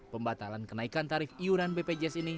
pembatalan kenaikan tarif iuran bpjs ini